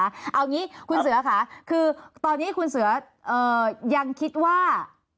เอางี้คุณเสือค่ะคือตอนนี้คุณเสือยังคิดว่า